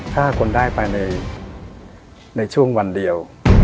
ถ้าคนได้ไปในช่วงวันเดียว